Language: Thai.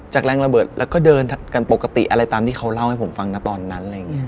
จากแรงระเบิดแล้วก็เดินกันปกติอะไรตามที่เขาเล่าให้ผมฟังตอนนั้น